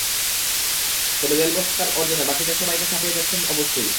তবে Del Bosque তাঁর অর্জনে বাকিদের সবাইকে ছাপিয়ে যাচ্ছেন তো অবশ্যই।